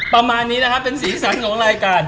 ประมาณนี้นะคะเป็นศีรษรรค์ของรายการ